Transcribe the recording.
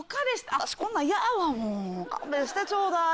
私こんなん嫌やわもう勘弁してちょうだい。